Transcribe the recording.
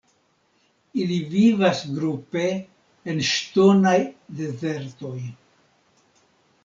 Ili vivas grupe en ŝtonaj dezertoj.